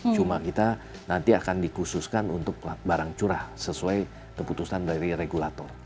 cuma kita nanti akan dikhususkan untuk barang curah sesuai keputusan dari regulator